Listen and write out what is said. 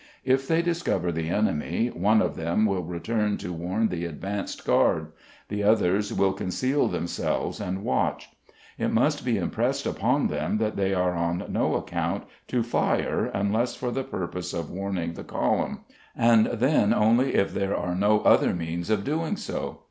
If they discover the enemy, one of them will return to warn the advanced guard; the others will conceal themselves and watch. It must be impressed upon them that they are on no account to fire unless for the purpose of warning the column, and then only if there are no other means of doing so.